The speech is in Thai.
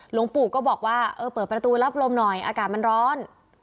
หลวงปู่ก็บอกว่าเออเปิดประตูรับลมหน่อยอากาศมันร้อน